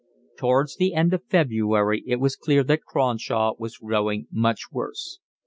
Towards the end of February it was clear that Cronshaw was growing much worse.